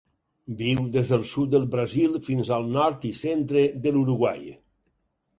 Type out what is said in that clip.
Viu des del sud del Brasil fins al nord i centre de l'Uruguai.